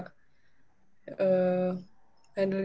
handle ini tuh takut salah gitu loh